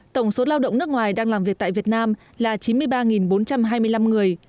tổng số lao động nước ngoài đang làm việc tại việt nam là chín mươi ba bốn trăm hai mươi năm người